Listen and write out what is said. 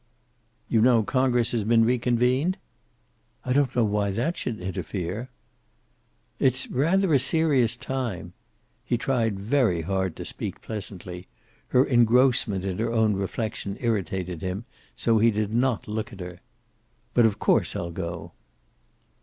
"You know Congress has been re convened?" "I don't know why that should interfere." "It's rather a serious time." He tried very hard to speak pleasantly. Her engrossment in her own reflection irritated him, so he did not look at her. "But of course I'll go."